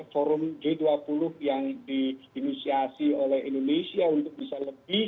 forum g dua puluh yang diinisiasi oleh indonesia untuk bisa lebih